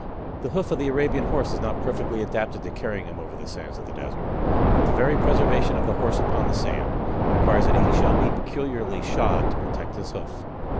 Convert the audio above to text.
The hoof of the Arabian Horse is not perfectly adapted to carrying him over the sands of the desert, but the very preservation of the horse upon the sands requires that he shall be peculiarly shod to protect his hoof.